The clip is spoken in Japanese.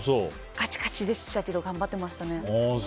カチカチでしたけど頑張ってましたね。